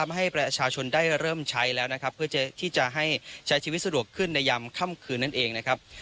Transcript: ให้ประชาชนได้เริ่มใช้แล้วนะครับเพื่อที่จะให้ใช้ชีวิตสะดวกขึ้นในยามค่ำคืนนั่นเองนะครับ